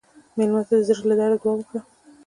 مېلمه ته د زړه له درده دعا ورکړه.